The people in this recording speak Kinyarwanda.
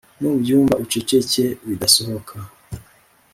Nubyumva uceceke bidasohoka